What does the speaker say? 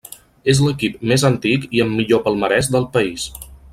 És l'equip més antic i amb millor palmarès del país.